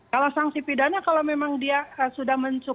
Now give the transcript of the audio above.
kalau sanksi pidana kalau memang dia sudah mencukupi atau sudah mencukupi